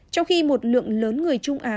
trong khi một lượng lớn người trung á